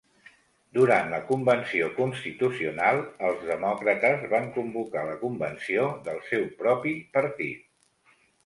Durant la Convenció Constitucional, els Demòcrates van convocar la convenció del seu propi partit.